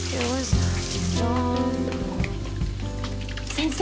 先生。